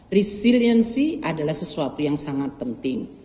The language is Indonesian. resiliensi adalah sesuatu yang sangat penting